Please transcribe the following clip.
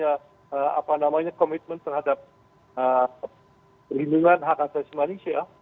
ya dan bagaimana dia punya komitmen terhadap perlindungan hak asasi manusia